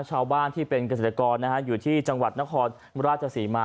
ชาวบ้านที่เป็นเกษตรกรอยู่ที่จังหวัดนครราชศรีมา